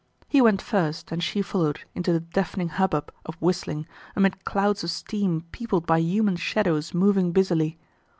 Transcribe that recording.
He went first and she followed into the deafening hubbub of whistling, amid clouds of steam peopled by human shadows moving busily.